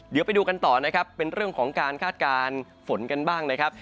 เดี๋ยวไปดูกันต่อนะครับเป็นเรื่องของการคาดการณ์ฝนกันบ้างนะครับ